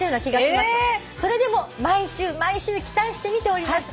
「それでも毎週毎週期待して見ております」